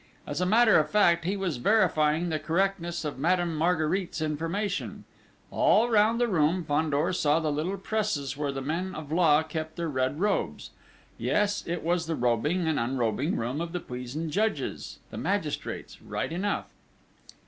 As a matter of fact, he was verifying the correctness of Madame Marguerite's information. All round the room Fandor saw the little presses where the men of law kept their red robes. Yes, it was the robing and unrobing room of the puisne judges, the magistrates, right enough!